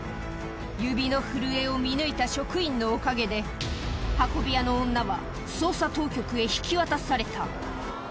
指の震えを見抜いた職員のおかげで、運び屋の女は捜査当局へ引き渡された。